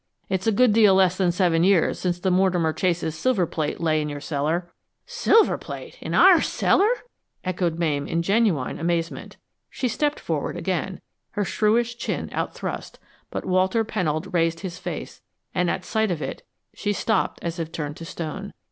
It's a good deal less than seven years since the Mortimer Chase's silver plate lay in your cellar." "Silver plate in our cellar!" echoed Mame in genuine amazement. She stepped forward again, her shrewish chin out thrust, but Walter Pennold raised his face, and at sight of it she stopped as if turned to stone.